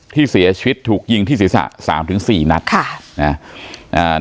ที่เสียชีวิตถูกยิงที่ศิษฐะ๓๔นัด